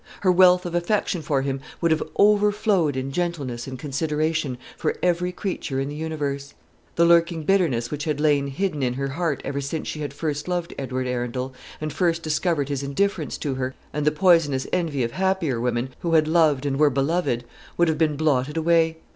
Her wealth of affection for him would have overflowed in gentleness and consideration for every creature in the universe. The lurking bitterness which had lain hidden in her heart ever since she had first loved Edward Arundel, and first discovered his indifference to her; and the poisonous envy of happier women, who had loved and were beloved, would have been blotted away.